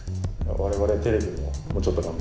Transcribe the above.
我々テレビももうちょっと頑張ります。